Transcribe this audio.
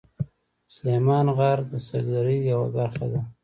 سلیمان غر د سیلګرۍ یوه برخه ده.